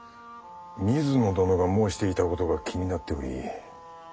水野殿が申していたことが気になっており。